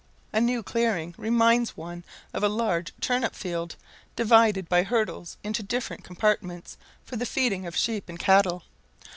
A new clearing reminds one of a large turnip field, divided by hurdles into different compartments for the feeding of sheep and cattle.